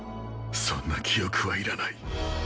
そんな記憶はいらない。